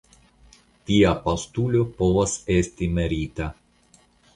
Tia postulo povus esti merita.